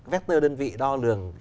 vector đơn vị đo lường